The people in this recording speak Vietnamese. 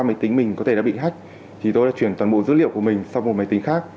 máy tính mình có thể đã bị hách thì tôi đã chuyển toàn bộ dữ liệu của mình sang một máy tính khác